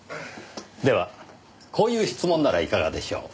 ではこういう質問ならいかがでしょう？